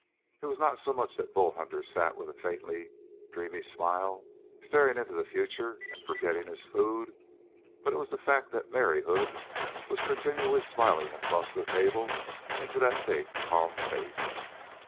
It was not so much that Bull Hunter sat with a faintly dreamy smile, staring into the future and forgetting his food, but it was the fact that Mary Hood was continually smiling across the table into that big, calm face.